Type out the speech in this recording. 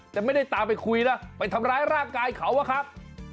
แต่ไม่ได้ตามไปคุยนะไปทำร้ายร่างกายเขาอะครับ